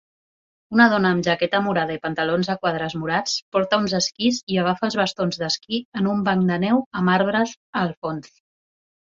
Una dona amb una jaqueta morada i pantalons a quadres morats porta uns esquís i agafa els bastons d'esquí en un banc de neu amb arbres al fons